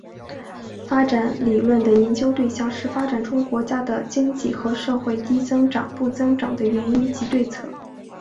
发展理论的研究对象是发展中国家的经济和社会低增长不增长的原因及对策。